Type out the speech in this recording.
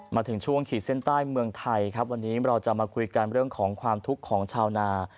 มาถึงช่วงขีดเส้นใต้เมืองไทยครับวันนี้เราจะมาคุยกันเรื่องของความทุกข์ของชาวนา